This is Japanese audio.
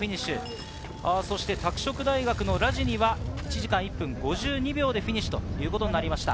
拓殖大学のラジニは１時間１分５２秒でフィニッシュしました。